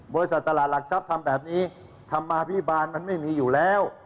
บริษัทตลาดหลักทรัพย์ทำแบบนี้ธรรมาภิบาลมันไม่มีอยู่แล้ว